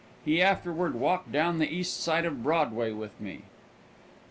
He afterward walked down the east side of Broadway with me.